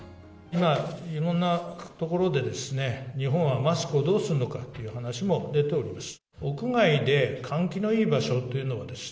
今、いろんなところでですね、日本はマスクをどうするのかっていう話も出ております。